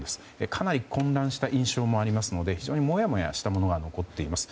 かなり混乱した印象もありますので非常にもやもやしたものが残っています。